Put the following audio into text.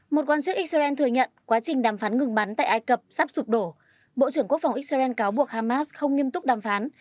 một quan chức israel thừa nhận quá trình đàm phán ngừng bắn tại ai cập sắp sụp đổ bộ trưởng quốc phòng israel cáo buộc hamas không nghiêm túc đàm phán